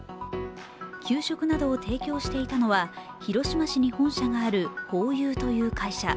給食などを提供していたのは広島市に本社があるホーユーという会社。